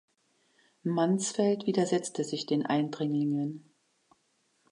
Mansfeld widersetzte sich den Eindringlingen.